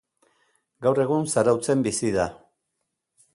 Gaur egun Zarautzen bizi da.